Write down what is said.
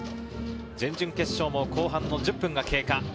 準々決勝も、後半の１０分が経過。